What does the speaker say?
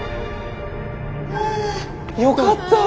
よかった！